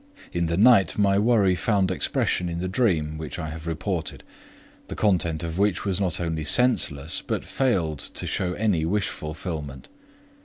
In the night my worry found expression in the dream which I have reported, the content of which was not only senseless, but failed to show any wish fulfillment.